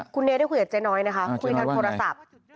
คุณเนได้คุยกับเจ๊น้อยนะคะคุยทางโทรศัพท์